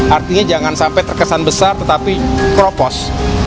artinya jangan sampai terkesan besar tetapi kropos